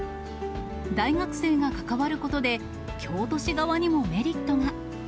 大学生が関わることで、京都市側にもメリットが。